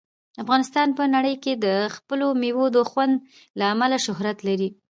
افغانستان په نړۍ کې د خپلو مېوو د خوند له امله شهرت لري.